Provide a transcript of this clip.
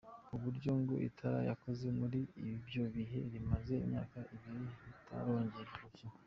Kuburyo ngo itara yakoze muri ibyo bihe, rimaze imyaka ibiri ritarongera gushya.